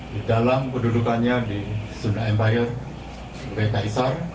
di dalam kedudukannya di sunda empire kaisar